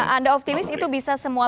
anda optimis itu bisa semua